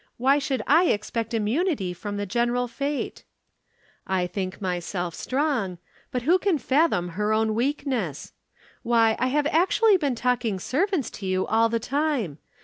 Why should I expect immunity from the general fate? I think myself strong but who can fathom her own weakness. Why, I have actually been talking servants to you all the time.